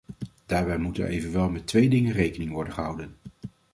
Daarbij moet er evenwel met twee dingen rekening worden gehouden.